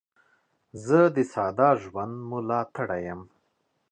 زه د ساده ژوند ملاتړی یم.